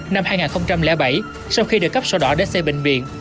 năm hai nghìn bảy sau khi được cấp sổ đỏ đế xe bệnh viện